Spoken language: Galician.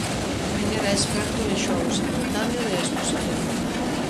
Tamén era experto en xogo simultáneo de exposición.